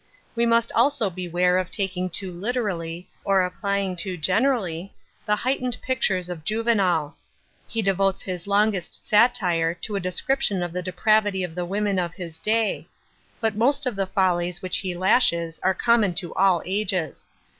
We must also beware of taking too literally, or applying too generally, the heightened pictures of Juvenal. He devotes his longest satire to a description of the depravity of the women of his day ; but most of the follies which he lashes are common to all ages.